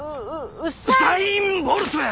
ウサイン・ボルトや！